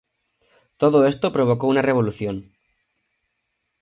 Todo esto provocó una revolución.